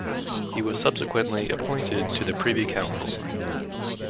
He was subsequently appointed to the Privy Council.